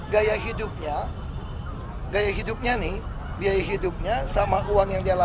gaya hidupnya gaya hidupnya nih biaya hidupnya sama uang yang dia lakukan